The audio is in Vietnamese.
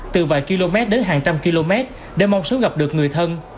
từ vài km đến hàng trăm km để mong sớm gặp được người thân